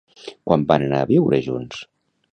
Quan van anar a viure junts?